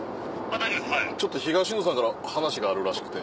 ちょっと東野さんから話があるらしくて。